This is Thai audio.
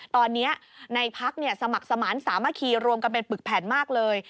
ตอนนี้ในพักสมัครสมาธิสามัคคีรวมกันเป็นปึกแผ่นมากเลย